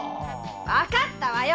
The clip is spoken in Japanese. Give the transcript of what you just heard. わかったわよ！